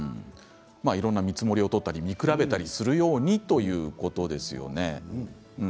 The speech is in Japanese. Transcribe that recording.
いろんな見積もりを取ったり見比べたりするようにということですね。